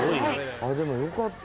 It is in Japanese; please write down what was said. あっでもよかった。